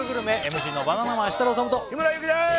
ＭＣのバナナマン設楽統と日村勇紀です